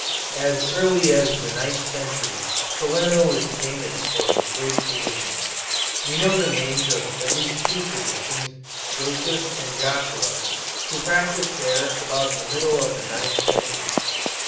As early as the ninth century Salerno was famous for its great physicians. We know the names of at least two physicians, Joseph and Joshua, who practised there about the middle of the ninth century.